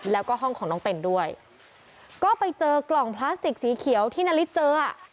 แล้วก็ห้องของน้องเต้นด้วยก็ไปเจอกล่องพลาสติกสีเขียวที่นาริสเจออ่ะ